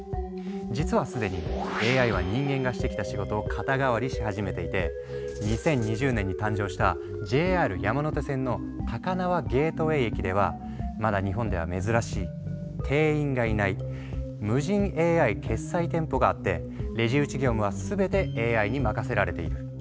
実は既にＡＩは人間がしてきた仕事を肩代わりし始めていて２０２０年に誕生したＪＲ山手線の高輪ゲートウェイ駅ではまだ日本では珍しい店員がいない「無人ＡＩ決済店舗」があってレジ打ち業務は全てＡＩに任せられている。